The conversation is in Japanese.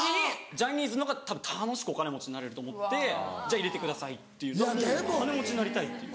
ジャニーズの方がたぶん楽しくお金持ちになれると思ってじゃあ入れてくださいっていうお金持ちになりたいっていう。